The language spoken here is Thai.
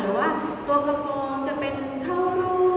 หรือว่ากระโปรงจะเป็นเข้ารู